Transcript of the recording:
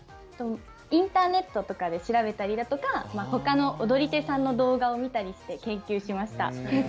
インターネットだとかで調べたり、他の踊り手さんの動画を見たり研究しました。